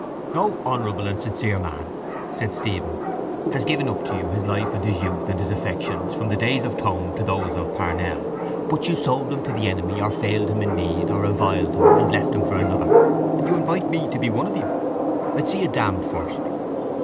—No honourable and sincere man, said Stephen, has given up to you his life and his youth and his affections from the days of Tone to those of Parnell, but you sold him to the enemy or failed him in need or reviled him and left him for another. And you invite me to be one of you. I'd see you damned first.